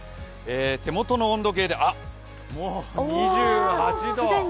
手元の温度計で、もう２８度。